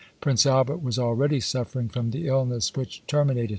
Prince Albert was already suffering from the illness which terminated his life Chap.